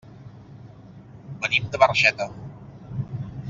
Venim de Barxeta.